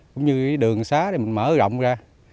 cũng như đường xá mình mở rộng ra